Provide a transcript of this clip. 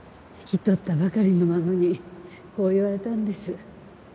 引き取ったばかりの孫にこう言われたんです。